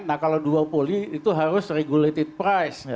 nah kalau duo poly itu harus regulated price